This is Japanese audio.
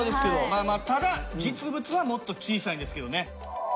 まあまあただ実物はもっと小さいんですけどね。